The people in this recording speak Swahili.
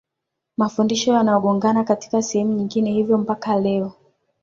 mafundisho yanayogongana katika sehemu nyingine hivyo mpaka leo